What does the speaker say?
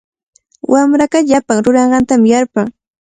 Wamra kar llapan ruranqantami yarpan.